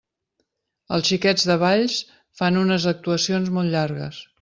Els Xiquets de Valls fan unes actuacions molt llargues.